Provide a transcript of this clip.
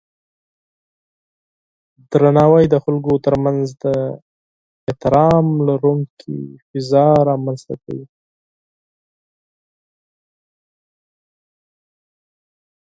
درناوی د خلکو ترمنځ د احترام لرونکی فضا رامنځته کوي.